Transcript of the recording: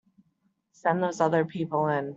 Send those other people in.